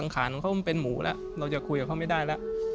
ขานของเขามันเป็นหมูแล้วเราจะคุยกับเขาไม่ได้แล้ว